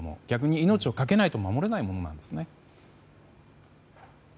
逆に、命をかけないと守れないものなんですよね。